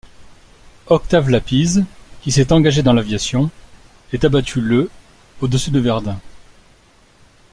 Octave Lapize, qui s'est engagé dans l'aviation, est abattu le au-dessus de Verdun.